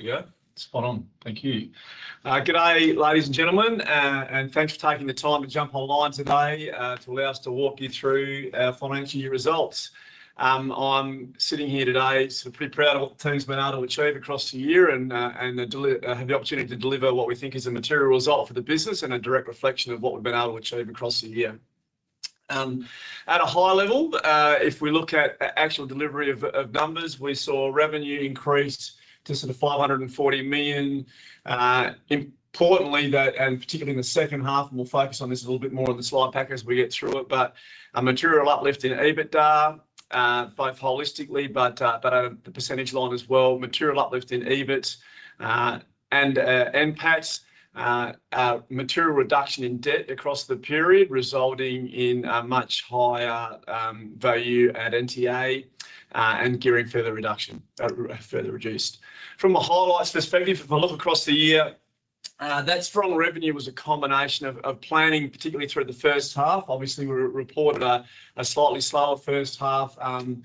Good to go. It's spot on. Thank you. Good day, ladies and gentlemen, and thanks for taking the time to jump online today to allow us to walk you through financial year results. I'm sitting here today pretty proud of what the team's been able to achieve across the year and have the opportunity to deliver what we think is a material result for the business and a direct reflection of what we've been able to achieve across the year. At a high level, if we look at actual delivery of numbers, we saw revenue increase to 540 million. Importantly, and particularly in the second half, and we'll focus on this a little bit more in the slide pack as we get through it, there was a material uplift in EBITDA, both holistically and at the percentage line as well, material uplift in EBIT, and impacts, material reduction in debt across the period, resulting in a much higher value at NTA, and gearing further reduced. From a highlight perspective, if I look across the year, that strong revenue was a combination of planning, particularly through the first half. Obviously, we reported a slightly slower first half and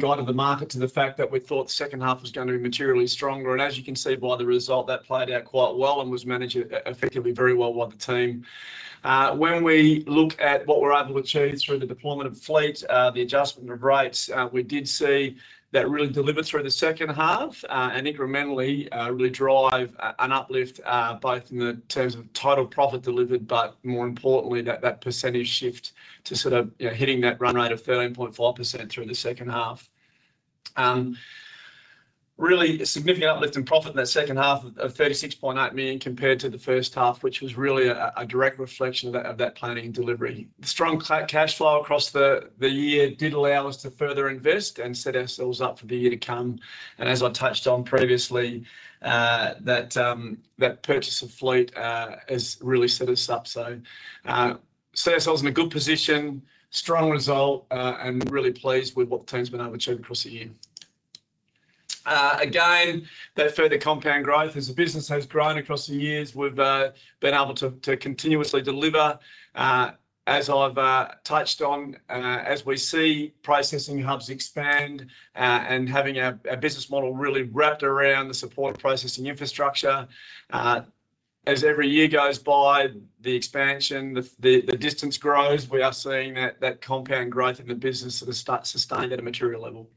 guided the market to the fact that we thought the second half was going to be materially stronger. As you can see by the result, that played out quite well and was managed effectively very well by the team. When we look at what we're able to achieve through the deployment of fleet, the adjustment of rates, we did see that really delivered through the second half and incrementally really drive an uplift, both in terms of total profit delivered, but more importantly, that percentage shift to hitting that run rate of 13.5% through the second half. Really significant uplift in profit in that second half of 36.8 million compared to the first half, which was really a direct reflection of that planning and delivery. The strong cash flow across the year did allow us to further invest and set ourselves up for the year to come. As I touched on previously, that purchase of fleet has really set us up. Set ourselves in a good position, strong result, and really pleased with what the team's been able to achieve across the year. Again, they further compound growth as the business has grown across the years. We've been able to continuously deliver, as I've touched on, as we see processing hubs expand, and having a business model really wrapped around the support processing infrastructure. As every year goes by, the expansion, the distance grows, we are seeing that compound growth in the business sort of start sustained at a material level.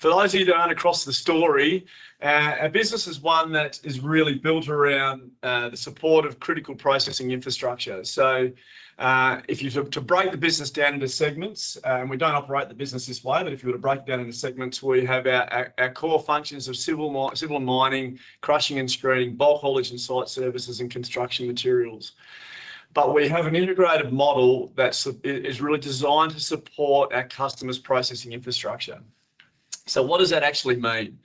For those of you that aren't across the story, our business is one that is really built around the support of critical processing infrastructure. If you were to break the business down into segments, and we don't operate the business this way, but if you were to break it down into segments, we have our core functions of civil mining, crushing and screening, bulk haulage and sort services, and construction materials. We have an integrated model that is really designed to support our customers' processing infrastructure. What does that actually mean?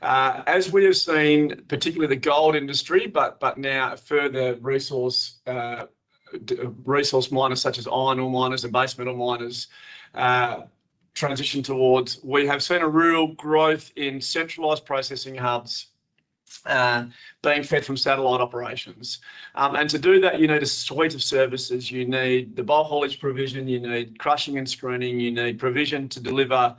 As we have seen, particularly the gold industry, but now further resource miners such as iron ore miners and base metal miners, transition towards, we have seen a real growth in centralized processing hubs, being fed from satellite operations. To do that, you need a suite of services. You need the bulk haulage provision, you need crushing and screening, you need provision to deliver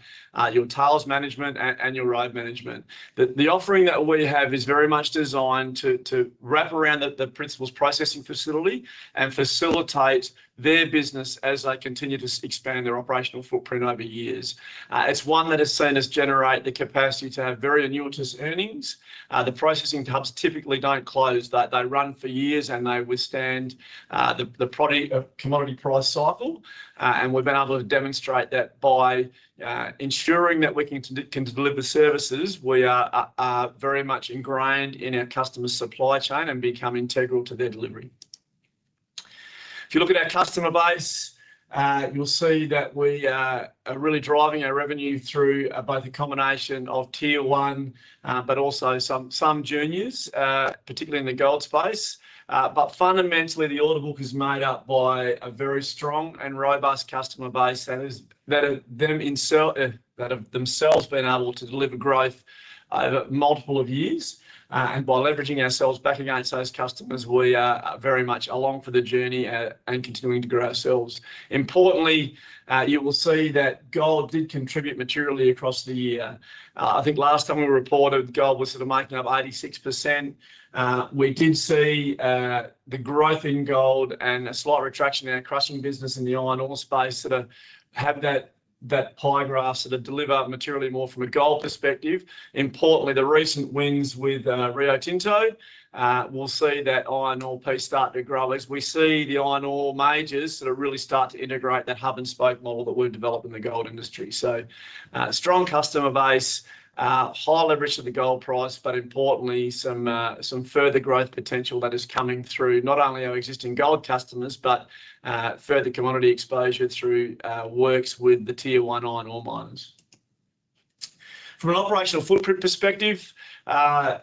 your tails management and your road management. The offering that we have is very much designed to wrap around the principal's processing facility and facilitate their business as they continue to expand their operational footprint over years. It's one that is seen as generating the capacity to have very annuitous earnings. The processing hubs typically don't close, they run for years and they withstand the product commodity price cycle. We've been able to demonstrate that by ensuring that we can deliver services, we are very much ingrained in our customer's supply chain and become integral to their delivery. If you look at our customer base, you'll see that we are really driving our revenue through both a combination of tier 1, but also some journeys, particularly in the gold space. Fundamentally, the order book is made up by a very strong and robust customer base, and it's that have them themselves been able to deliver growth over multiple years. By leveraging ourselves back against those customers, we are very much along for the journey and continuing to grow ourselves. Importantly, you will see that gold did contribute materially across the year. I think last time we reported, gold was sort of making up 86%. We did see the growth in gold and a slight retraction in our crushing business in the iron ore space sort of have that high graph sort of deliver materially more from a gold perspective. Importantly, the recent wins with Rio Tinto will see that iron ore piece start to grow as we see the iron ore majors really start to integrate that hub and spoke model that we've developed in the gold industry. Strong customer base, high leverage of the gold price, but importantly, some further growth potential that is coming through not only our existing gold customers, but further commodity exposure through works with the tier 1 iron ore miners. From an operational footprint perspective,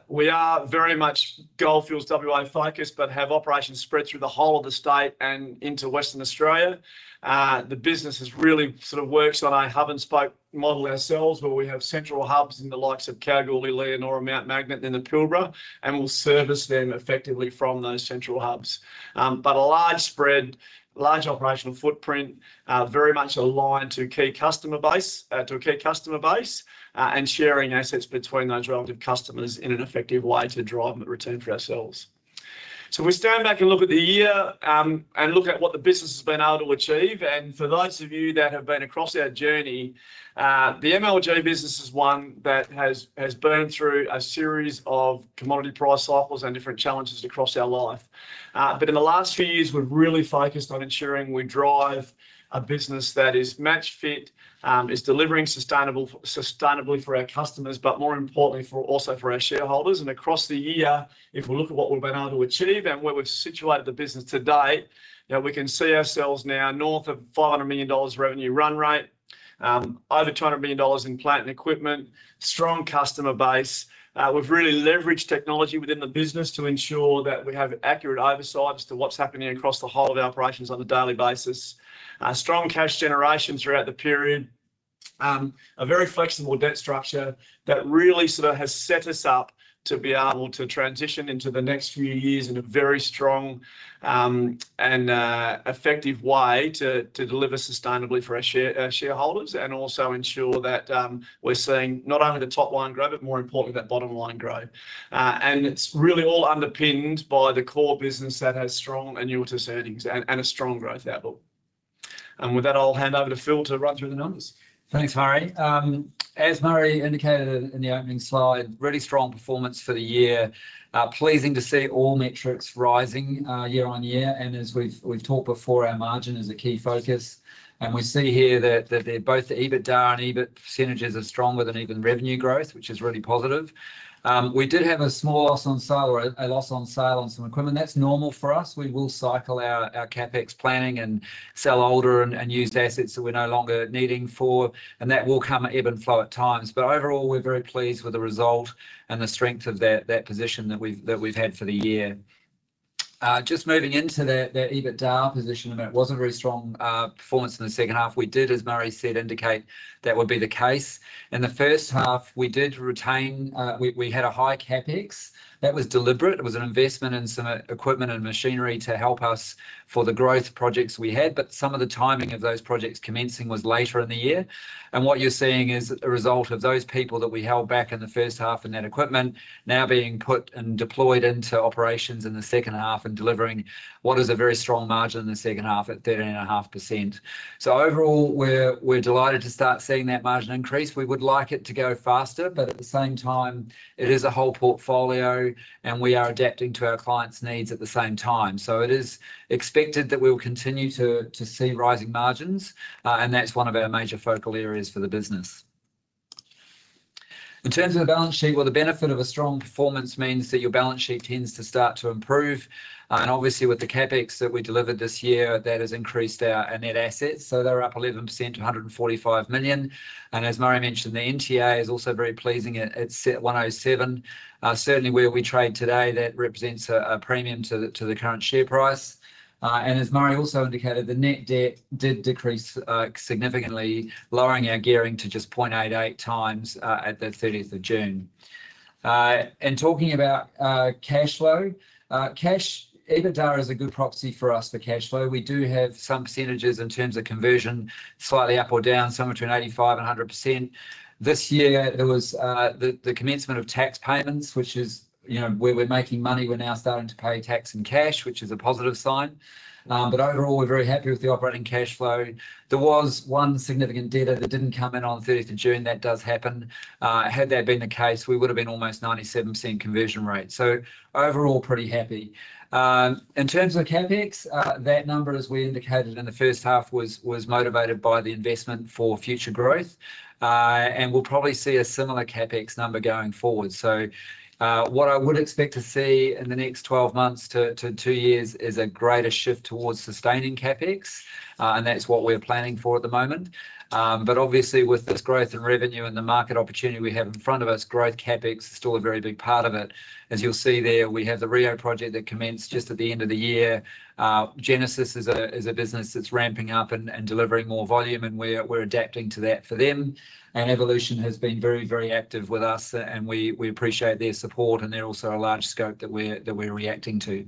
we are very much Goldfields WA focused, but have operations spread through the whole of the state and into Western Australia. The business has really worked on our hub and spoke model ourselves, where we have central hubs in the likes of Cowal, Lillian, Oramount, Magnet in then the Pilbara, and we'll service them effectively from those central hubs. A large spread, large operational footprint, very much aligned to a key customer base, and sharing assets between those relative customers in an effective way to drive routine for ourselves. If we stand back and look at the year, and look at what the business has been able to achieve, and for those of you that have been across our journey, the MLG business is one that has burned through a series of commodity price cycles and different challenges across our life. In the last few years, we've really focused on ensuring we drive a business that is match-fit, is delivering sustainably for our customers, but more importantly, also for our shareholders. Across the year, if we look at what we've been able to achieve and where we've situated the business today, you know, we can see ourselves now north of 500 million dollars revenue run rate, over 200 million dollars in plant and equipment, strong customer base. We've really leveraged technology within the business to ensure that we have accurate oversight as to what's happening across the whole of our operations on a daily basis. Strong cash generation throughout the period, a very flexible debt structure that really has set us up to be able to transition into the next few years in a very strong and effective way to deliver sustainably for our shareholders and also ensure that we're seeing not only the top line growth, but more importantly, that bottom line growth. It's really all underpinned by the core business that has strong annuitative earnings and a strong growth outlook. With that, I'll hand over to Phil to run through the numbers. Thanks, Murray. As Murray indicated in the opening slide, really strong performance for the year. Pleasing to see all metrics rising year on year. As we've talked before, our margin is a key focus. We see here that both the EBITDA and EBIT percentages are stronger than even revenue growth, which is really positive. We did have a small loss on sale or a loss on sale on some equipment. That's normal for us. We will cycle our CapEx planning and sell older and used assets that we're no longer needing. That will come at ebb and flow at times. Overall, we're very pleased with the result and the strength of that position that we've had for the year. Just moving into that EBITDA position, that was a very strong performance in the second half. We did, as Murray said, indicate that would be the case. In the first half, we had a high CapEx. That was deliberate. It was an investment in some equipment and machinery to help us for the growth projects we had, but some of the timing of those projects commencing was later in the year. What you're seeing is a result of those people that we held back in the first half and that equipment now being put and deployed into operations in the second half and delivering what is a very strong margin in the second half at 13.5%. Overall, we're delighted to start seeing that margin increase. We would like it to go faster, but at the same time, it is a whole portfolio, and we are adapting to our clients' needs at the same time. It is expected that we'll continue to see rising margins, and that's one of our major focal areas for the business. In terms of the balance sheet, the benefit of a strong performance means that your balance sheet tends to start to improve. Obviously, with the CapEx that we delivered this year, that has increased our net assets. They're up 11% to $145 million. As Murray mentioned, the NTA is also very pleasing at 107 million. Certainly, where we trade today, that represents a premium to the current share price. As Murray also indicated, the net debt did decrease significantly, lowering our gearing to just 0.88x at the 30th of June. Talking about cash flow, cash EBITDA is a good property for us for cash flow. We do have some percentages in terms of conversion slightly up or down, somewhere between 85% and 100%. This year, there was the commencement of tax payments, which is, you know, we were making money. We're now starting to pay tax in cash, which is a positive sign. Overall, we're very happy with the operating cash flow. There was one significant debtor that didn't come in on the 30th of June. That does happen. Had that been the case, we would have been almost 97% conversion rate. Overall, pretty happy. In terms of the CapEx, that number, as we indicated in the first half, was motivated by the investment for future growth. We'll probably see a similar CapEx number going forward. What I would expect to see in the next 12 months to two years is a greater shift towards sustaining CapEx, and that's what we're planning for at the moment. Obviously, with this growth in revenue and the market opportunity we have in front of us, growth CapEx is still a very big part of it. As you'll see there, we have the Rio Tinto project that commenced just at the end of the year. Genesis is a business that's ramping up and delivering more volume, and we're adapting to that for them. Evolution has been very, very active with us, and we appreciate their support, and they're also a large scope that we're reacting to.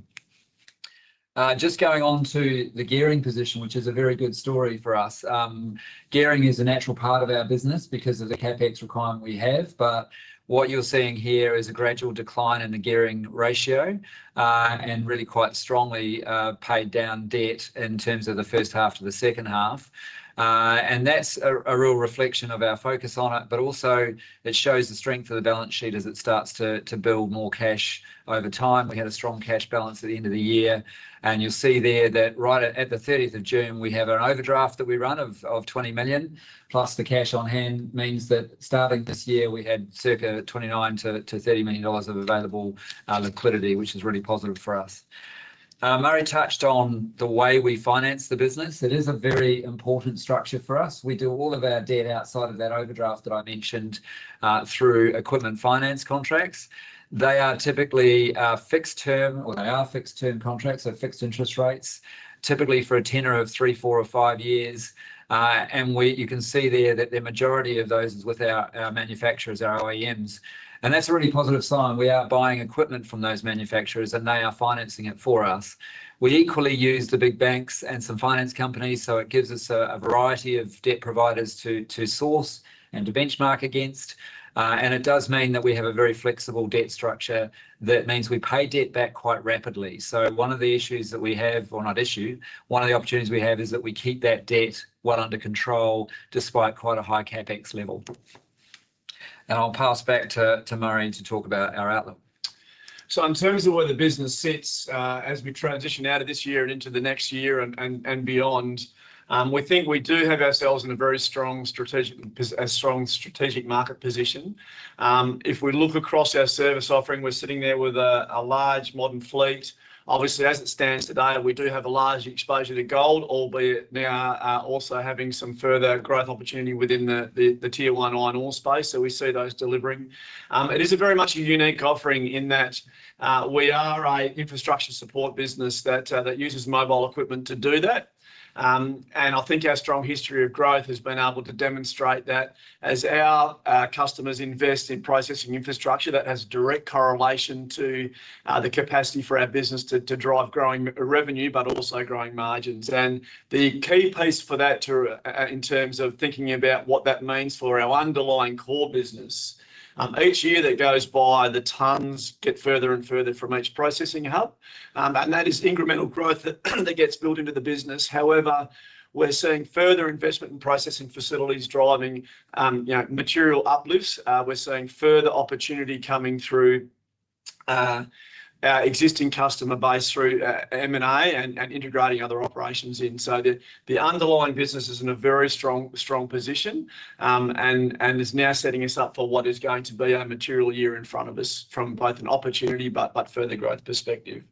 Just going on to the gearing position, which is a very good story for us. Gearing is a natural part of our business because of the CapEx requirement we have, but what you're seeing here is a gradual decline in the gearing ratio, and really quite strongly, paid down debt in terms of the first half to the second half. That's a real reflection of our focus on it, but also it shows the strength of the balance sheet as it starts to build more cash over time. We had a strong cash balance at the end of the year, and you'll see there that right at the 30th of June, we have an overdraft that we run of 20 million, plus the cash on hand means that starting this year, we had circa 29 to 30 million dollars of available liquidity, which is really positive for us. Murray touched on the way we finance the business. It is a very important structure for us. We do all of our debt outside of that overdraft that I mentioned, through equipment finance contracts. They are typically fixed-term, or they are fixed-term contracts, so fixed interest rates, typically for a tenor of three, four, or five years. You can see there that the majority of those is with our manufacturers, our OEMs. That's a really positive sign. We are buying equipment from those manufacturers, and they are financing it for us. We equally use the big banks and some finance companies, so it gives us a variety of debt providers to source and to benchmark against. It does mean that we have a very flexible debt structure that means we pay debt back quite rapidly. One of the opportunities we have is that we keep that debt well under control despite quite a high CapEx level. I'll pass back to Murray to talk about our outlook. In terms of where the business sits, as we transition out of this year and into the next year and beyond, we think we do have ourselves in a very strong strategic market position. If we look across our service offering, we're sitting there with a large modern fleet. Obviously, as it stands today, we do have a large exposure to gold, albeit now also having some further growth opportunity within the tier 1 iron ore space. We see those delivering. It is very much a unique offering in that we are an infrastructure support business that uses mobile equipment to do that. I think our strong history of growth has been able to demonstrate that as our customers invest in processing infrastructure, that has direct correlation to the capacity for our business to drive growing revenue, but also growing margins. The key piece for that too, in terms of thinking about what that means for our underlying core business, each year that goes by, the tons get further and further from each processing hub. That is incremental growth that gets built into the business. However, we're seeing further investment in processing facilities driving material uplifts. We're seeing further opportunity coming through our existing customer base through M&A and integrating other operations in. The underlying business is in a very strong position and is now setting us up for what is going to be a material year in front of us from both an opportunity, but further growth perspective.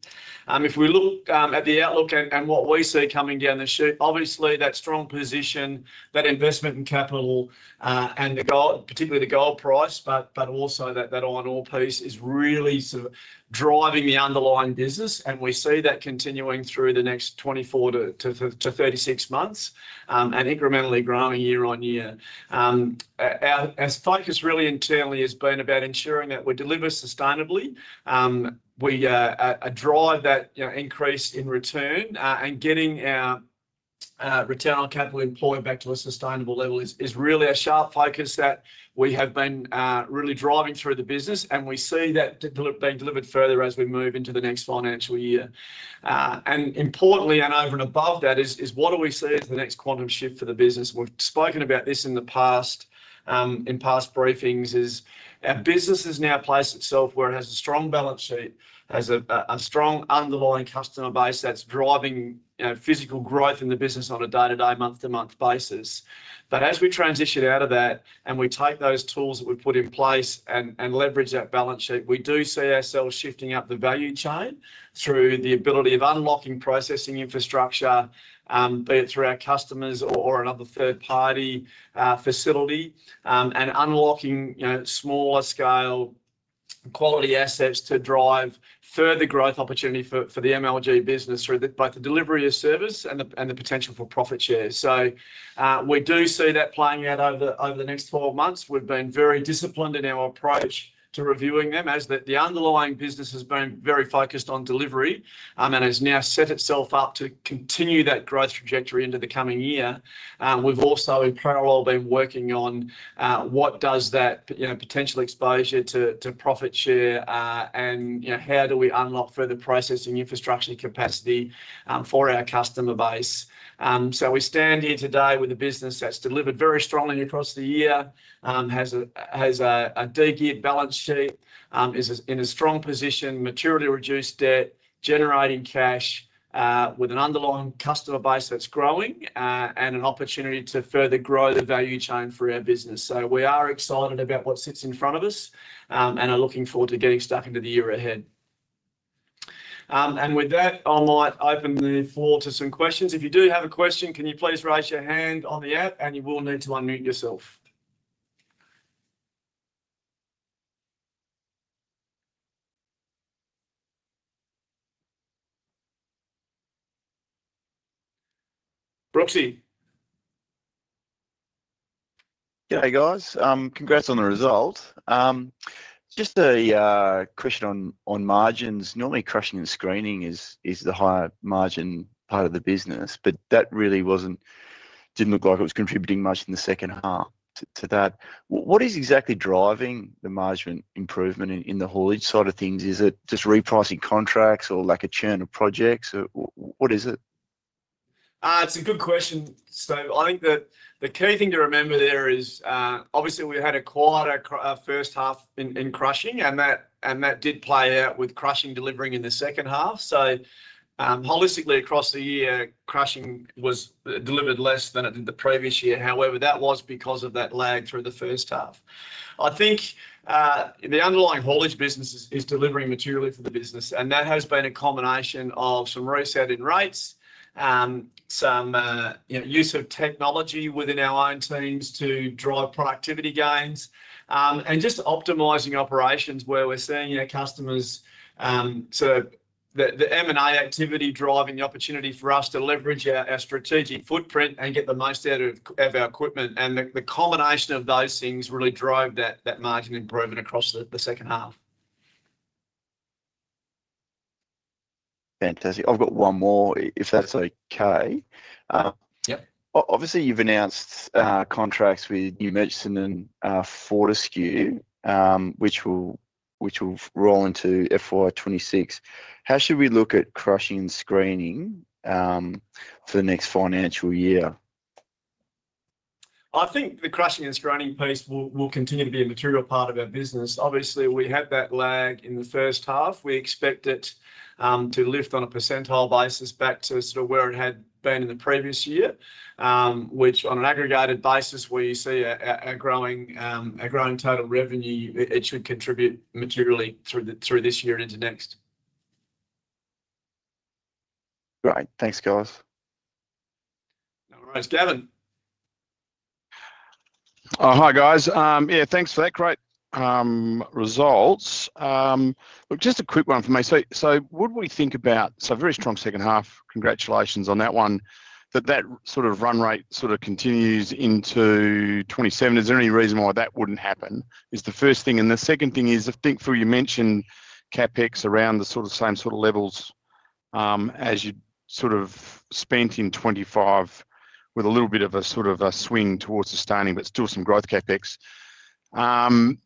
If we look at the outlook and what we see coming down the ship, obviously that strong position, that investment in capital, and the gold, particularly the gold price, but also that iron ore piece is really sort of driving the underlying business. We see that continuing through the next 24 months-36 months, and incrementally growing year on year. Our focus really internally has been about ensuring that we deliver sustainably. We drive that increase in return, and getting our retail capital employed back to a sustainable level is really a sharp focus that we have been really driving through the business. We see that being delivered further as we move into the next financial year. Importantly, and over and above that, is what do we see as the next quantum shift for the business? We've spoken about this in the past, in past briefings. Our business has now placed itself where it has a strong balance sheet, has a strong underlying customer base that's driving physical growth in the business on a day-to-day, month-to-month basis. As we transition out of that and we take those tools that we put in place and leverage that balance sheet, we do see ourselves shifting up the value chain through the ability of unlocking processing infrastructure, be it through our customers or another third-party facility, and unlocking smaller scale quality assets to drive further growth opportunity for the MLG business through both the delivery of service and the potential for profit share. We do see that playing out over the next four months. We've been very disciplined in our approach to reviewing them as the underlying business has been very focused on delivery, and has now set itself up to continue that growth trajectory into the coming year. We've also in parallel been working on what does that potential exposure to profit share look like, and how do we unlock further processing infrastructure capacity for our customer base. We stand here today with a business that's delivered very strongly across the year, has a strong, degeared balance sheet, is in a strong position, maturity-reduced debt, generating cash, with an underlying customer base that's growing, and an opportunity to further grow the value chain for our business. We are excited about what sits in front of us, and are looking forward to getting stuck into the year ahead. With that, I might open the floor to some questions. If you do have a question, can you please raise your hand on the app and you will need to unmute yourself. Roxy. Yeah, hey guys. Congrats on the result. Just a question on margins. Normally, crushing and screening is the higher margin part of the business, but that really wasn't, didn't look like it was contributing much in the second half to that. What is exactly driving the margin improvement in the haulage side of things? Is it just repricing contracts or lack of churn of projects? What is it? It's a good question. I think that the key thing to remember there is, obviously, we had a quieter first half in crushing, and that did play out with crushing delivering in the second half. Holistically across the year, crushing delivered less than it did the previous year. However, that was because of that lag through the first half. I think the underlying haulage business is delivering materially for the business, and that has been a combination of some resetting rates, some use of technology within our own teams to drive productivity gains, and just optimizing operations where we're seeing customers, sort of the M&A activity driving opportunity for us to leverage our strategic footprint and get the most out of our equipment. The combination of those things really drove that margin improvement across the second half. Fantastic. I've got one more if that's okay. Obviously, you've announced contracts with New Murchison Gold and Fortescue, which will roll into FY 2026. How should we look at crushing and screening for the next financial year? I think the crushing and screening piece will continue to be a material part of our business. Obviously, we had that lag in the first half. We expect it to lift on a percentile basis back to sort of where it had been in the previous year, which on an aggregated basis where you see a growing total revenue, it should contribute materially through this year and into next. Great. Thanks, guys. All right, Gavin. Oh, hi guys. Yeah, thanks for that, great results. Just a quick one for me. Would we think about, very strong second half, congratulations on that one, that sort of run rate continues into 2027. Is there any reason why that wouldn't happen? Is the first thing, and the second thing is, I think, you mentioned CapEx around the same sort of levels as you spent in 2025 with a little bit of a swing towards sustaining, but still some growth CapEx.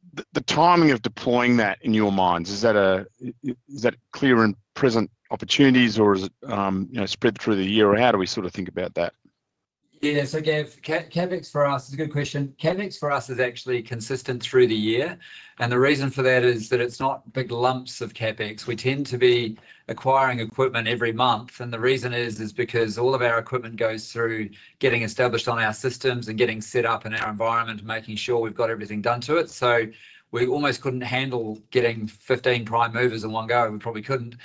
The timing of deploying that in your minds, is that a clear and present opportunity or is it spread through the year or how do we think about that? Yeah, so Gav, CapEx for us is a good question. CapEx for us is actually consistent through the year. The reason for that is that it's not big lumps of CapEx. We tend to be acquiring equipment every month. The reason is, is because all of our equipment goes through getting established on our systems and getting set up in our environment, making sure we've got everything done to it. We almost couldn't handle getting 15 prime movers in one go. We probably couldn't,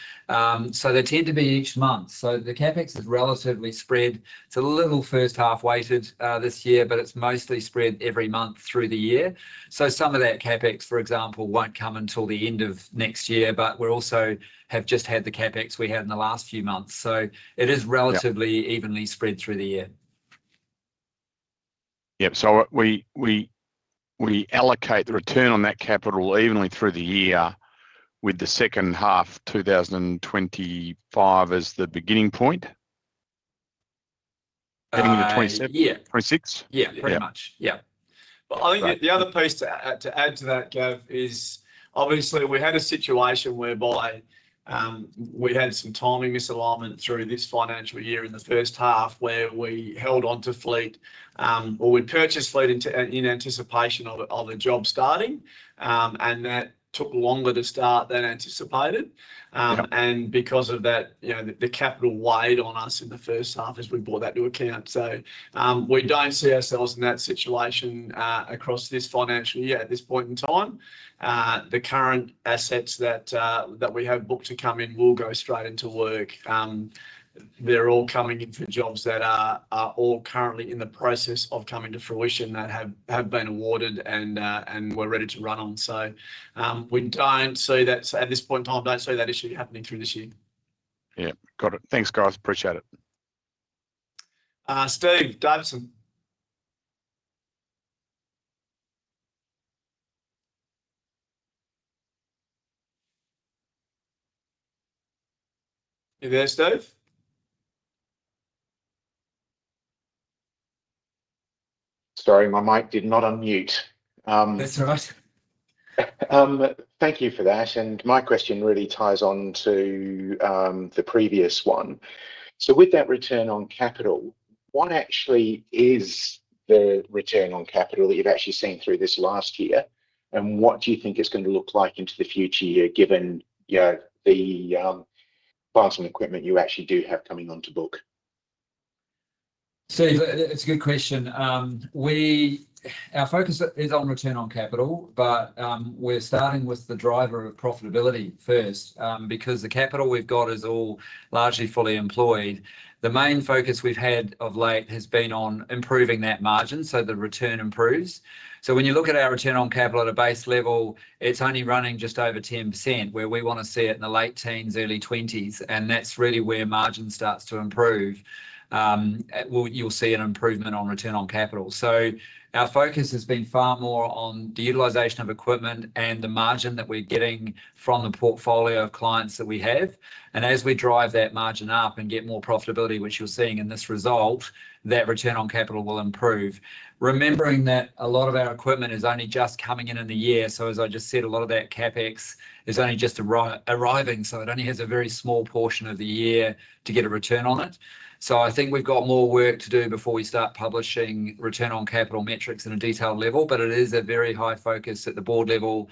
so they tend to be each month. The CapEx is relatively spread. It's a little first half weighted this year, but it's mostly spread every month through the year. Some of that CapEx, for example, won't come until the end of next year, but we also have just had the CapEx we had in the last few months. It is relatively evenly spread through the year. Yeah, we allocate the return on that capital evenly through the year, with the second half, 2025, as the beginning point, heading into 2027, 2026? Yeah, pretty much. Yeah. I think the other piece to add to that, Gav, is obviously we had a situation whereby we had some timing misalignment through this financial year in the first half where we held onto fleet, or we'd purchased fleet in anticipation of a job starting, and that took longer to start than anticipated. Because of that, the capital weighed on us in the first half as we brought that to account. We don't see ourselves in that situation across this financial year at this point in time. The current assets that we have booked to come in will go straight into work. They're all coming into jobs that are currently in the process of coming to fruition that have been awarded, and we're ready to run on. We don't see that at this point in time, don't see that issue happening through this year. Yeah, got it. Thanks, guys. Appreciate it. Steve, Davidson. Are you there, Steve? Sorry, my mic did not unmute. That's all right. Thank you for that. My question really ties on to the previous one. With that return on capital, what actually is the return on capital that you've actually seen through this last year? What do you think it's going to look like into the future year given, you know, the plants and equipment you actually do have coming onto book? It's a good question. Our focus is on return on capital, but we're starting with the driver of profitability first, because the capital we've got is all largely fully employed. The main focus we've had of late has been on improving that margin so the return improves. When you look at our return on capital at a base level, it's only running just over 10% where we want to see it in the late teens, early 20%s. That's really where margin starts to improve. You'll see an improvement on return on capital. Our focus has been far more on the utilization of equipment and the margin that we're getting from the portfolio of clients that we have. As we drive that margin up and get more profitability, which you're seeing in this result, that return on capital will improve. Remembering that a lot of our equipment is only just coming in in the year. As I just said, a lot of that CapEx is only just arriving. It only has a very small portion of the year to get a return on it. I think we've got more work to do before we start publishing return on capital metrics in a detailed level, but it is a very high focus at the board level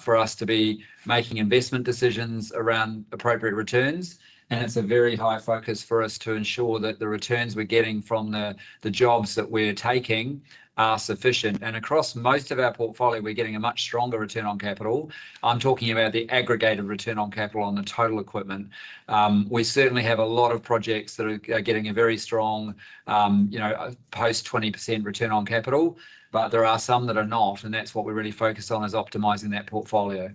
for us to be making investment decisions around appropriate returns. It's a very high focus for us to ensure that the returns we're getting from the jobs that we're taking are sufficient. Across most of our portfolio, we're getting a much stronger return on capital. I'm talking about the aggregated return on capital on the total equipment. We certainly have a lot of projects that are getting a very strong, you know, post 20% return on capital, but there are some that are not. That's what we're really focused on is optimizing that portfolio.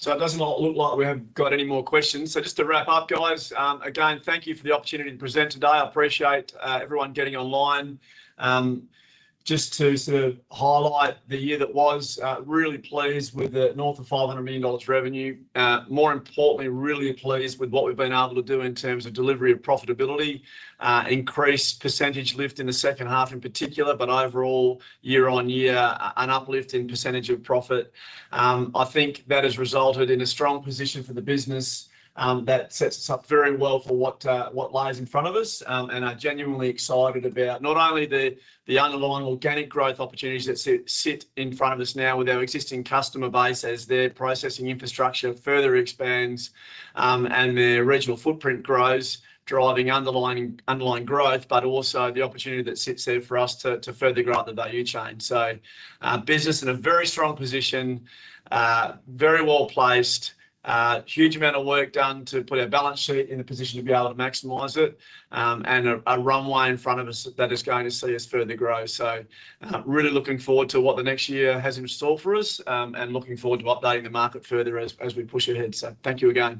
Thank you. It doesn't look like we haven't got any more questions. Just to wrap up, guys, again, thank you for the opportunity to present today. I appreciate everyone getting online. Just to sort of highlight the year that was, really pleased with the north of 500 million dollars revenue. More importantly, really pleased with what we've been able to do in terms of delivery of profitability, increased % lift in the second half in particular, but overall year on year, an uplift in % of profit. I think that has resulted in a strong position for the business. That sets us up very well for what lies in front of us. I'm genuinely excited about not only the underlying organic growth opportunities that sit in front of us now with our existing customer base as their processing infrastructure further expands, and their original footprint grows, driving underlying growth, but also the opportunity that sits there for us to further grow the value chain. Business in a very strong position, very well placed, huge amount of work done to put our balance sheet in a position to be able to maximize it, and a runway in front of us that is going to see us further grow. Really looking forward to what the next year has in store for us, and looking forward to updating the market further as we push ahead. Thank you again.